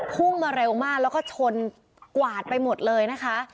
พุ่งมาเร็วมากแล้วก็ชนกวาดไปหมดเลยนะคะ